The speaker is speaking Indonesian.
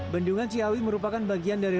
bendungan ciawi merupakan bagian dari